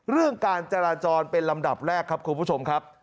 เรื่องการจราจรเป็นลำดับแรกครับคุณผู้ชมครับ